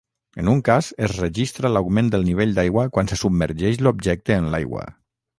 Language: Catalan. En un cas es registra l'augment del nivell d'aigua quan se submergeix l'objecte en l'aigua.